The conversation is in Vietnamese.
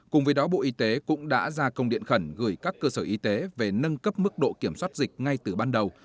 cùng với đó bộ y tế cũng đã ra công điện khẩn gửi các cơ sở y tế về nâng cấp mức độ kiểm soát dịch ngay từ ban đầu